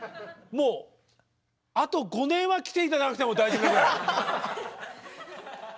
もうあと５年は来て頂かなくても大丈夫なぐらい。